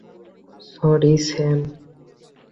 Sorry, Sam.